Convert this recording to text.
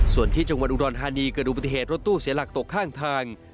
ส่วนที่จังหวัดอุดรธานีเกิดดูปฏิเหตุรถตู้เสียหลักตกข้างทาง